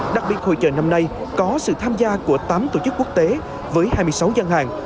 đặc biệt hội trợ năm nay có sự tham gia của tám tổ chức quốc tế với hai mươi sáu gian hàng